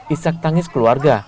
isak tangis keluarga